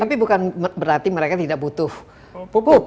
tapi bukan berarti mereka tidak butuh pupuk